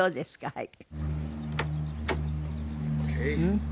はい。